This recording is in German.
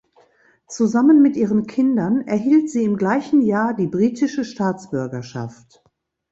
Zusammen mit ihren Kindern erhielt sie im gleichen Jahr die britische Staatsbürgerschaft.